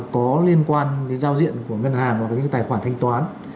có liên quan đến giao diện của ngân hàng và những tài khoản thanh toán